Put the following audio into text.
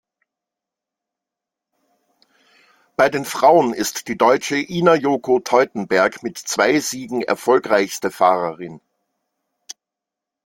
Bei den Frauen ist die Deutsche Ina-Yoko Teutenberg mit zwei Siegen erfolgreichste Fahrerin.